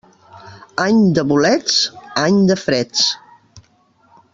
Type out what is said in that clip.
Any de bolets, any de freds.